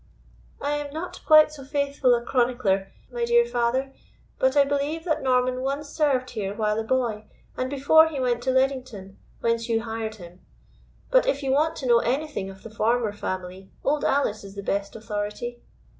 "I am not quite so faithful a chronicler, my dear father; but I believe that Norman once served here while a boy, and before he went to Ledington, whence you hired him. But if you want to know anything of the former family, Old Alice is the best authority."